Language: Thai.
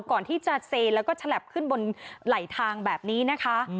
ก่อนที่จะเซแล้วก็ฉลับขึ้นบนไหลทางแบบนี้นะคะ